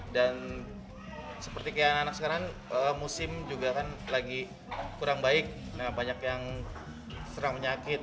dan seperti anak anak sekarang musim juga kan lagi kurang baik banyak yang terang menyakit